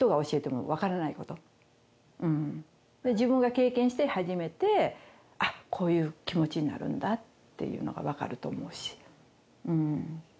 自分が経験して初めてあっこういう気持ちになるんだっていうのがわかると思うし。